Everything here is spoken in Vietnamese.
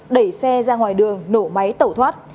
đẩy xe ra ngoài đường nổ máy tẩu thoát